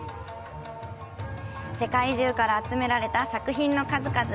世界中から集められた作品の数々。